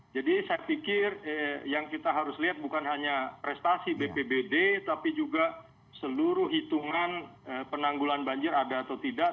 jadi saya pikir yang kita harus lihat bukan hanya prestasi bpbd tapi juga seluruh hitungan penanggulan banjir ada atau tidak